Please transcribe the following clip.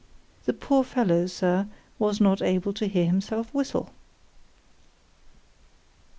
——"_The poor fellow, Sir, was not able to hear himself whistle.